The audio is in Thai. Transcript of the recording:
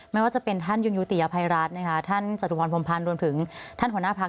ไม่ว่าจะเป็นท่านยุงยุติอภัยรัฐนะคะท่านจตุพรพรมพันธ์รวมถึงท่านหัวหน้าพัก